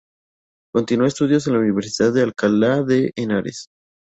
Continuó estudios en la Universidad de Alcalá de Henares.